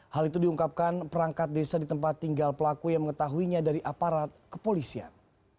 hal itu diungkapkan perangkat desa di tempat tinggal pelaku yang mengetahuinya dari aparat kepolisian